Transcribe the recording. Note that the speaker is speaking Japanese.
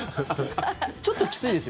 ちょっときついです？